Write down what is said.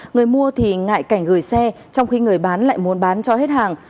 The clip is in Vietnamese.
người mua thì ngại cảnh gửi xe trong khi người bán lại muốn bán cho hết hàng